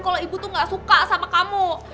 kalau ibu tuh gak suka sama kamu